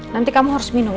nanti kamu harus berhati hati